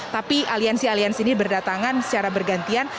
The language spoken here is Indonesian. tapi aliansi aliansi ini berdatangan secara bergantian